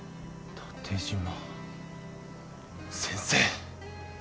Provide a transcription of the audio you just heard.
縦島先生！